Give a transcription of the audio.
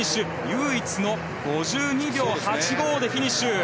唯一の５２秒８５でフィニッシュ。